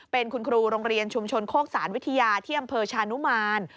เป็นคุณครูโรงเรียนชุมชนโคกสารวิทยาที่อำเภอชานุมาน